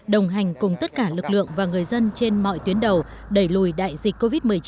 đồng hành cùng tất cả lực lượng và người dân trên mọi tuyến đầu đẩy lùi đại dịch covid một mươi chín